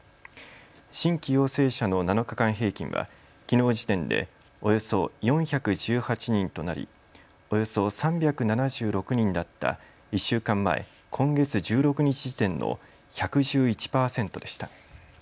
新規陽性者の７日間平均はきのう時点でおよそ４１８人となりおよそ３７６人だった１週間前、今月１６日時点の１１１％でした。